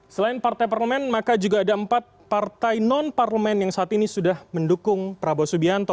selain partai parlemen maka juga ada empat partai non parlemen yang saat ini sudah mendukung prabowo subianto